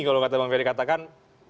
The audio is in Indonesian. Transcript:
kalau kata bang ferry katakan